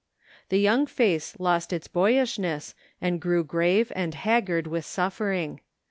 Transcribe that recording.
The young face lost its boyishness and grew grave and haggard with suffering.